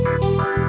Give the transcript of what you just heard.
aku rela gak kerja